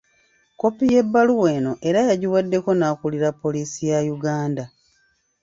Kkopi y'ebbaluwa eno era yagiwaddeko n'akulira poliisi ya Uganda.